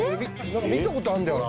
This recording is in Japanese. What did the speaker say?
何か見たことあんだよな。